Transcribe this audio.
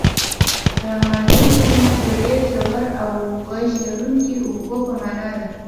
د امازون کلمه د ډېر زوږ او غږ لرونکي اوبو په معنا ده.